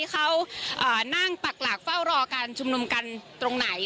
เขาน่างปากหลักเฝ้ารอการชมนุมตรงไหน